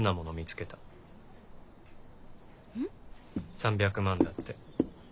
３００万だって。